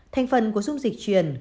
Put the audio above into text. thành phần của dung dịch truyền